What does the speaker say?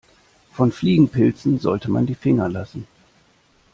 Von Fliegenpilzen sollte man die Finger lassen.